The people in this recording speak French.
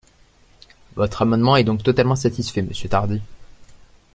Votre amendement est donc totalement satisfait, monsieur Tardy.